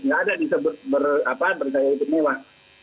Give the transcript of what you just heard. tidak ada yang disebut bergaya hidup mewah